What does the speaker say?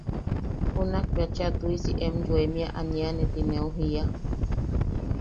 Junak bea cheʼa tuʼisi em yoemia aniane ti neu jiia.